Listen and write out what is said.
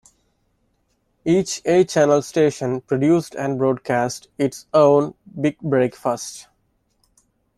Each A-Channel station produced and broadcast its own "Big Breakfast".